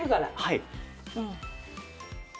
はい。